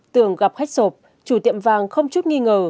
tường gặp khách sộp chủ tiệm vàng không chút nghi ngờ